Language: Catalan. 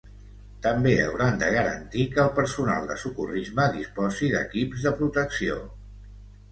També hauran de garantir que el personal de socorrisme disposi d’equips de protecció.